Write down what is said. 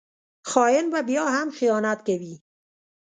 خاین به بیا هم خیانت کوي